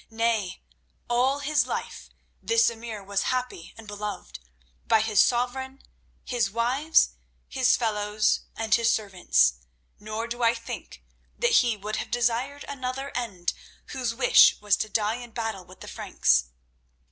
"Nay, all his life this emir was happy and beloved, by his sovereign, his wives, his fellows and his servants, nor do I think that he would have desired another end whose wish was to die in battle with the Franks.